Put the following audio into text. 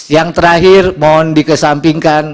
yang terakhir mohon dikesampingkan